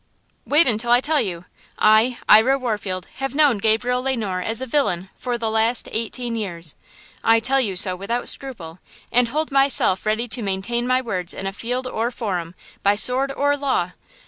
"Wait until I tell you! I, Ira Warfield, have known Gabriel Le Noir as a villain for the last eighteen years. I tell you so without scruple, and hold myself ready to maintain my words in a field or forum, by sword or law!